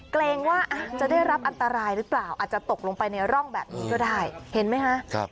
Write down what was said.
เกรงว่าจะได้รับอันตรายหรือเปล่าอาจจะตกลงไปในร่องแบบนี้ก็ได้เห็นไหมคะ